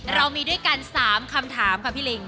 เรามีด้วยกัน๓คำถามค่ะพี่ลิง